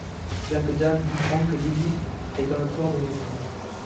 C'est là que Dean comprend que Lilith est dans le corps de Ruby.